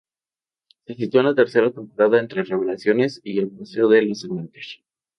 Se sitúa en la tercera temporada entre "Revelaciones" y "El paseo de los amantes".